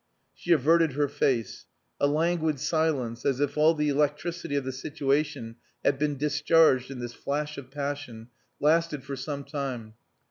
She averted her face. A languid silence, as if all the electricity of the situation had been discharged in this flash of passion, lasted for some time.